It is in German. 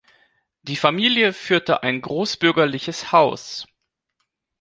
Die Familie führte ein „großbürgerliches Haus“.